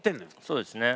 そうですね。